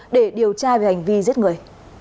để điều tra về hành vi giết người